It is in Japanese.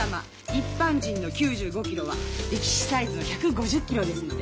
一般人の９５キロは力士サイズの１５０キロですので。